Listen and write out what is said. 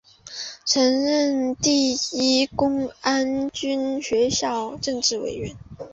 曾任第一公安军学校政治委员。